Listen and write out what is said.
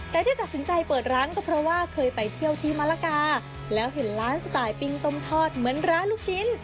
แต่ที่ตัดสินใจเปิดร้านก็เพราะว่าเคยไปเที่ยวที่มะละกาแล้วเห็นร้านสไตล์ปิ้งต้มทอดเหมือนร้านลูกชิ้น